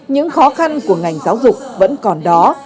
những khó khăn của ngành giáo dục vẫn còn đó